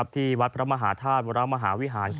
ที่วัดพระมหาธาตุวรมหาวิหาร